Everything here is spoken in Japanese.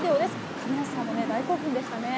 亀梨さんも大興奮でしたよね。